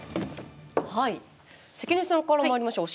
関根さんからまいりましょう。